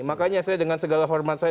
makanya saya dengan segala hormat saya